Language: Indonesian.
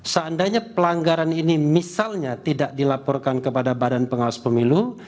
seandainya pelanggaran ini misalnya tidak dilaporkan kepada badan pengawas pemilu